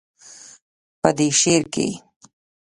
پۀ دې شعر کښې